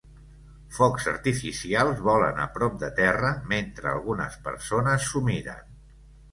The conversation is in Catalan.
Focs artificials volen a prop de terra mentre algunes persones s'ho miren